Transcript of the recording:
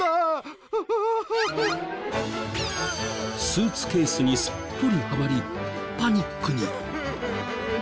スーツケースにすっぽりハマりパニックに。